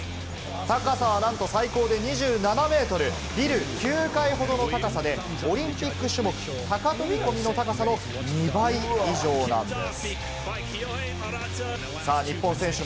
高さはなんと最高で２７ｍ、ビル９階ほどの高さでオリンピック種目・高飛込の高さの２倍以上なんです。